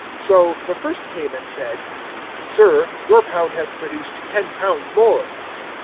019:016 "So the first came and said, "`Sir, your pound has produced ten pounds more.'